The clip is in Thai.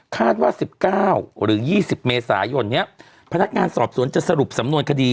คาดว่า๑๙หรือ๒๐เมษายนนี้พนักงานสอบสวนจะสรุปสำนวนคดี